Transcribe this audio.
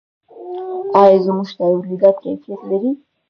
آیا زموږ تولیدات کیفیت لري؟